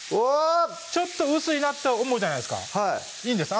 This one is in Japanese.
ちょっと薄いなって思うじゃないですかいいんです